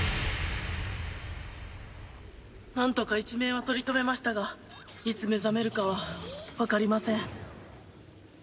なんとか一命は取り留めましたがいつ目覚めるかはわかりません。